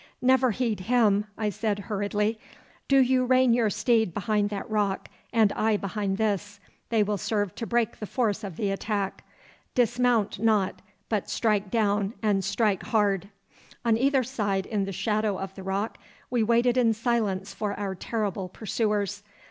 'Never heed him,' I said hurriedly. 'Do you rein your steed behind that rock, and I behind this. They will serve to break the force of the attack. Dismount not, but strike down, and strike hard.' On either side in the shadow of the rock we waited in silence for our terrible pursuers.